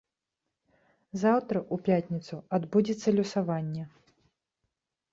Заўтра, у пятніцу, адбудзецца лёсаванне.